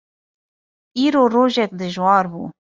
Îro rojek dijwar bû.